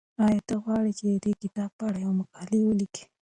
ایا ته غواړې چې د دې کتاب په اړه یوه مقاله ولیکې؟